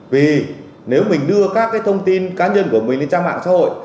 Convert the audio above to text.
vì nếu mình đưa các thông tin cá nhân của mình lên trang mạng xã hội